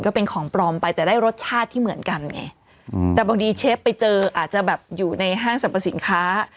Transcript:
ก็เป็นของปลอมไปแต่ได้รสชาติที่เหมือนกันไงแต่บางทีเชฟไปเจออาจจะแบบอยู่ในห้างสรรพสินค้า